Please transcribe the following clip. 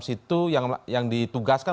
situ yang ditugaskan